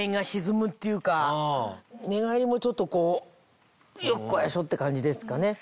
寝返りもちょっとこうよっこらしょって感じですかね。